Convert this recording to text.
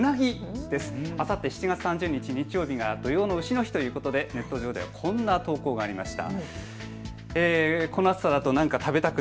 あさって７月３０日、日曜日は土用のうしの日ということでネット上ではこんな投稿がありました。